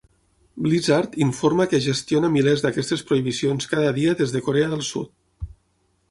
Blizzard informa que gestiona milers d'aquestes prohibicions cada dia des de Corea del Sud.